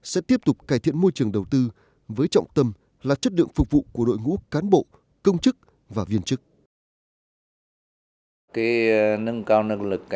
sẽ tiếp tục cải thiện môi trường đầu tư với trọng tâm là chất lượng phục vụ của đội ngũ cán bộ công chức và viên chức